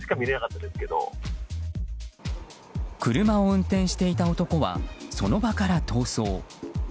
車を運転していた男はその場から逃走。